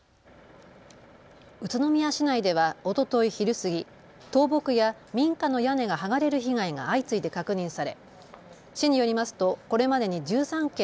宇都宮市内ではおととい昼過ぎ、倒木や民家の屋根が剥がれる被害が相次いで確認され市によりますとこれまでに１３件